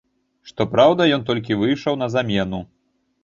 Што праўда, ён толькі выйшаў на замену.